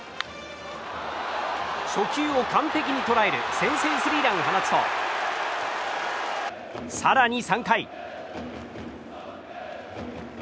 初球を完璧に捉える先制スリーランを放つと更に３回。